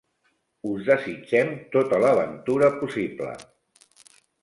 Us desitgem tota la ventura possible.